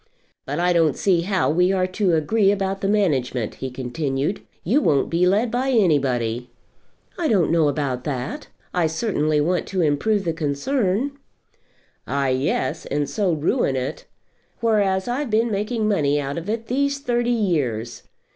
"But I don't see how we are to agree about the management," he continued. "You won't be led by anybody." "I don't know about that. I certainly want to improve the concern." "Ah, yes; and so ruin it. Whereas I've been making money out of it these thirty years.